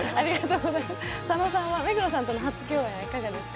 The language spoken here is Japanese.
佐野さんは目黒さんとの初共演いかがですか？